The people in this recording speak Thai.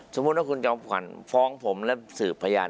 สมมุติว่าคุณจอมขวัญฟ้องผมและสืบพยาน